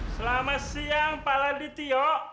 selamat siang pak ladityo